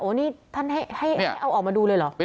นี่ท่านให้เอาออกมาดูเลยเหรอ